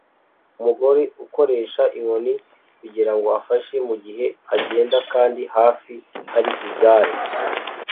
Umugore akoresha inkoni kugirango afashe mugihe agenda kandi hafi hari igare